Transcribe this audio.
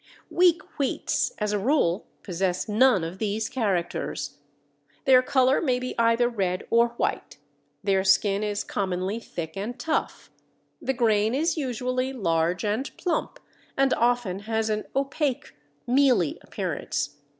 Weak wheats as a rule possess none of these characters. Their colour may be either red or white, their skin is commonly thick and tough, the grain is usually large and plump, and often has an opaque mealy appearance.